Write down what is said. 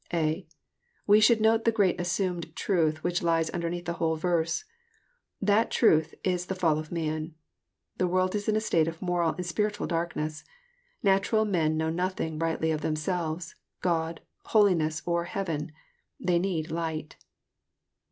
(a) We should note the great assumed truth which lies underneath the whole verse. That truth is the fall of man. The world is in a state of moral and spiritual darkness. Katu* rally men know nothing rightly of themselves, God, holiness, or heaven. They need light.